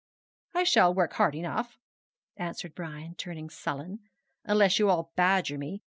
'I shall work hard enough,' answered Brian, turning sullen, 'unless you all badger me.